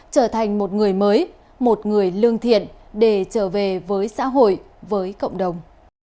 trở thành một người mới một người lương thiện để trở về với xã hội với cộng đồng